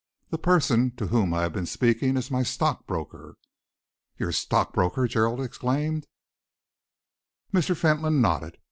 The person to whom I have been speaking is my stockbroker." "Your stockbroker!" Gerald exclaimed. Mr. Fentolin nodded.